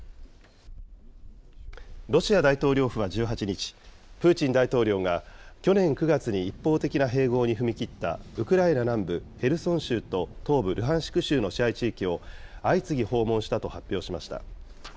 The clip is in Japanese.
ロシア大統領府は１８日、プーチン大統領が去年９月に一方的な併合に踏み切ったウクライナ南部ヘルソン州と東部ルハンシク州の支配地域を相次ぎ訪問したと発表しました。